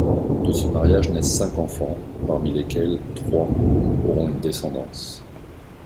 De ce mariage naissent cinq enfants, parmi lesquels trois auront une descendance.